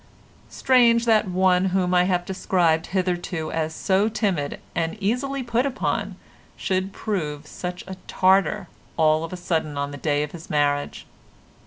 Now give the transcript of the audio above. Strange that one whom I have described hitherto as so timid and easily put upon should prove such a Tartar all of a sudden on the day of his marriage.